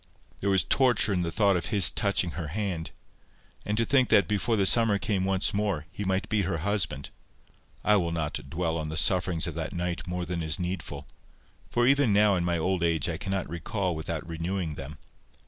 There was torture in the thought of his touching her hand; and to think that before the summer came once more, he might be her husband! I will not dwell on the sufferings of that night more than is needful; for even now, in my old age, I cannot recall without renewing them.